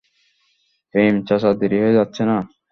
প্রেম, চাচার দেরি হয়ে যাচ্ছে না?